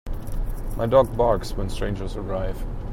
My dog barks when strangers arrive.